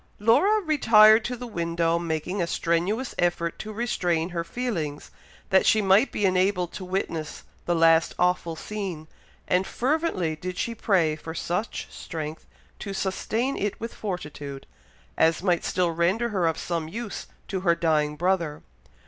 Laura retired to the window, making a strenuous effort to restrain her feelings, that she might be enabled to witness the last awful scene; and fervently did she pray for such strength to sustain it with fortitude, as might still render her of some use to her dying brother.